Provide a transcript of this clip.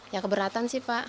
ya keberatan sih pak